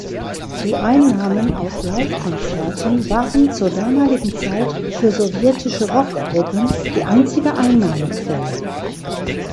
Die Einnahmen aus Livekonzerten waren zur damaligen Zeit für sowjetische Rockgruppen die einzige Einnahmequelle.